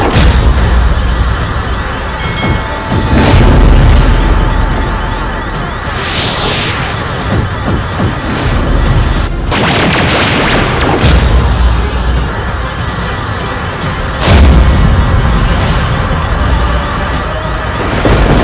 terus memberkati melrome di alarm links